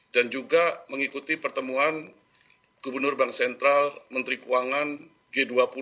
dan juga mengikuti pertemuan gubernur bank sentral menteri keuangan g dua puluh